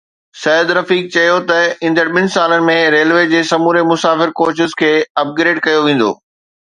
سعد رفيق چيو ته ايندڙ ٻن سالن ۾ ريلوي جي سموري مسافر ڪوچز کي اپ گريڊ ڪيو ويندو